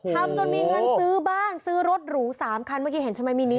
ทำจนมีเงินซื้อบ้านซื้อรถหรู๓คันเมื่อกี้เห็นใช่ไหมมินิ